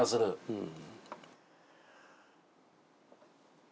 うん。